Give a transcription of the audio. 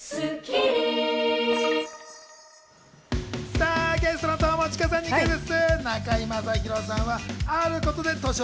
さあ、ゲストの友近さんにクイズッス。